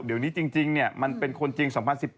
เดี๋ยวนี้จริงมันเป็นคนจริง๒๐๑๘